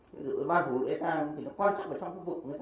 ví dụ bán phủ lễ sang thì nó quan trọng ở trong khu vực người ta